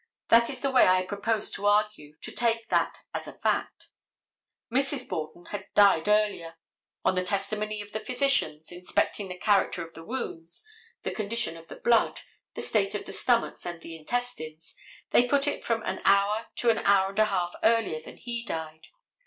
That is the way I propose to argue, to take that as a fact. Mrs. Borden had died earlier. On the testimony of the physicians, inspecting the character of the wounds, the condition of the blood, the state of the stomachs and the intestines, they put it from an hour to an hour and a half earlier than he died.